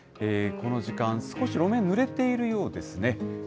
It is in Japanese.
この時間、少し路面、ぬれているようですね。